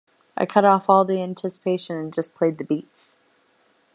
I cut off all the anticipation and just played the beats.